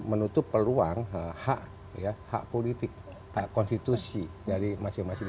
menutup peluang hak politik hak konstitusi dari masing masing